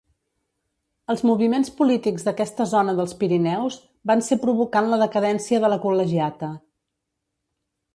Els moviments polítics d'aquesta zona dels Pirineus van ser provocant la decadència de la Col·legiata.